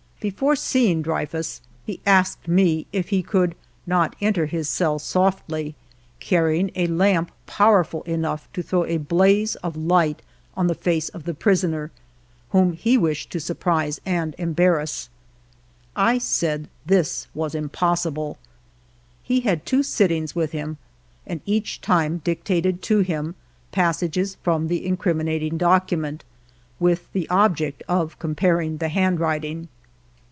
Before seeing Dreyfus he asked me if he could not enter his cell softly, carrying a lamp powerful enough to throw a blaze of light on the ALFRED DREYFUS 43 face of the prisoner, whom he wished to surprise and embarrass. I said this was impossible. He had two sittings with him, and each time dictated to him passages from the incriminating document, with the object of comparing the handwriting.